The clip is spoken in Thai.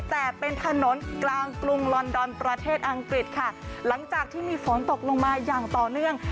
แต่เป็นถนนกลางกรุงลอนดอนประเทศอังกฤษค่ะหลังจากที่มีฝนตกลงมาอย่างต่อเนื่อง